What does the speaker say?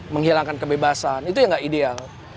menghilangkan kebebasan itu yang nggak ideal